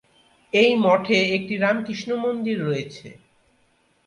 এই মঠে একটি রামকৃষ্ণ মন্দির রয়েছে।